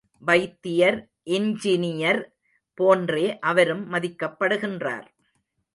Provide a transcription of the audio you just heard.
வைத்தியர் இன்ஞ்சினியர் போன்றே அவரும் மதிக்கப்படுகின்றார்.